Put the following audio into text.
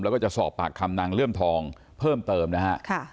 แล้วก็จะสอบปากคำนางเลื่อมทองเพิ่มเติมนะฮะ